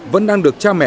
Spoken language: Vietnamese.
vẫn đang được chăm sóc